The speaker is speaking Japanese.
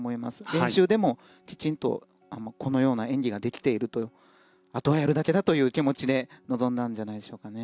練習でもきちんとこのような演技ができているとあとはやるだけだという気持ちで臨んだんじゃないでしょうかね。